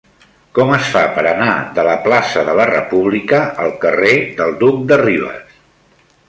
Com es fa per anar de la plaça de la República al carrer del Duc de Rivas?